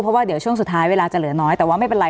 เพราะว่าเดี๋ยวช่วงสุดท้ายเวลาจะเหลือน้อยแต่ว่าไม่เป็นไร